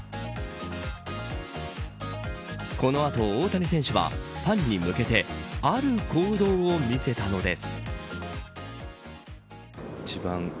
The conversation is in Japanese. この後大谷選手はファンに向けてある行動を見せたのです。